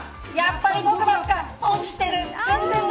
やっぱり、僕ばっかり損している。